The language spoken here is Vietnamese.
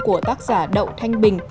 của tác giả đậu thanh bình